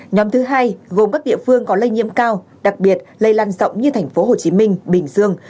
nhóm thứ hai gồm các địa phương có lây nhiễm cao đặc biệt lây lan rộng như thành phố hồ chí minh bình dương